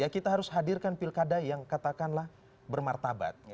kita harus hadirkan pilkada yang katakanlah bermartabat